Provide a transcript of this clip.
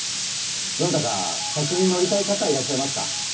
どなたか先に乗りたい方いらっしゃいますか？